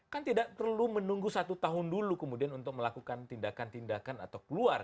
kan tidak perlu menunggu satu tahun dulu kemudian untuk melakukan tindakan tindakan atau keluar